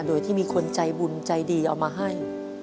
โดยที่มีคนใจบุญใจดีเอามาให้